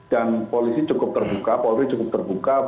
dan polisi cukup terbuka polri cukup terbuka